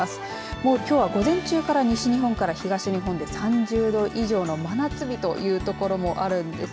もうきょうは午前中から西日本から東日本で３０度以上の真夏日という所もあるんです。